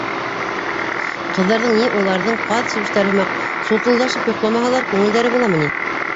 Ҡыҙҙарҙың ни уларҙың, ҡаҙ себештәре һымаҡ, сутылдашып йоҡламаһалар, күңелдәре буламы ни...